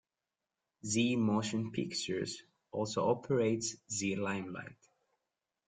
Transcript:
Zee Motion Pictures also operates Zee Limelight.